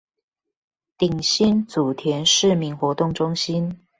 頂新祖田市民活動中心